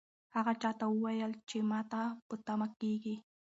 هغه چا ته وویل چې ماته مه په تمه کېږئ.